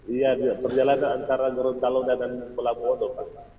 iya perjalanan antara ngerontalo dan pulau bogot pak